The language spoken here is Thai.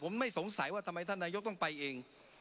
ผมไม่สงสัยว่าทำไมท่านนายกต้องไปเอง